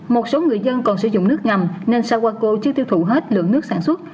một số người dân còn sử dụng nước ngầm nên sawako chưa tiêu thụ hết lượng nước sản xuất